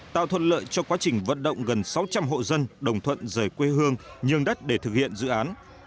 tạo thuận lợi cho quá trình vận động gần sáu trăm linh hộ dân đồng thuận rời quê hương nhường đất để thực hiện dự án